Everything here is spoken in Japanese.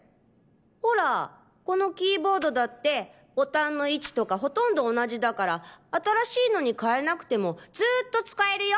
ホラこのキーボードだってボタンの位置とかほとんど同じだから新しいのに換えなくてもずっと使えるよ。